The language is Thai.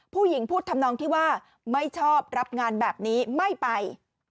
ผู้หญิงพูดทำนองที่ว่าไม่ชอบรับงานแบบนี้ไม่ไป